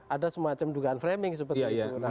ada semacam dugaan framing seperti itu